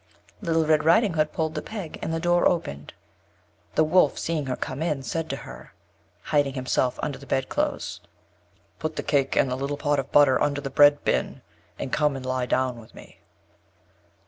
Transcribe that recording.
Little Red Riding Hood pulled the peg, and the door opened. The Wolf seeing her come in, said to her, hiding himself under the bedclothes: "Put the cake, and the little pot of butter upon the bread bin, and come and lye down with me."